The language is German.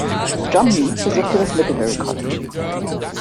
John Mead besuchte das Middlebury College.